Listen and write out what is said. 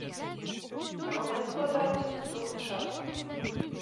Дакумент складаецца з дзвюх частак.